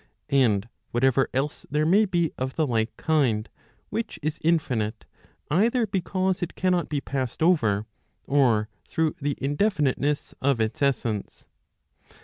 And what¬ ever else there may be of the like kind, which is infinite, either because it cannot be passed over, or through the indefiniteness of its essence.